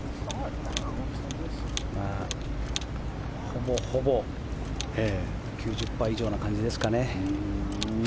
ほぼほぼ９０％以上な感じですかね。